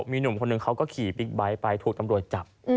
มีหนุ่มคนหนึ่งเขาก็ขี่บิ๊กไบท์ไปถูกตำรวจจับ